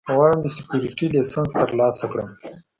غواړم د سیکیورټي لېسنس ترلاسه کړم